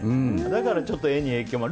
だから、ちょっと絵に影響が。